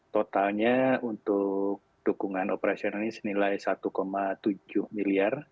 totalnya untuk dukungan operasional ini senilai satu tujuh miliar